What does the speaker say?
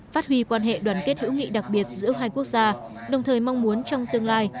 phát huy quan hệ đoàn kết hữu nghị đặc biệt giữa hai quốc gia đồng thời mong muốn trong tương lai